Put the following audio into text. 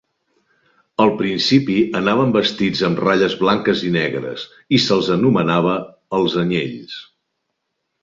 Al principi anaven vestits amb ratlles blanques i negres i se'ls anomenava "els Anyells".